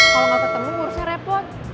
kalau gak ketemu urusnya repot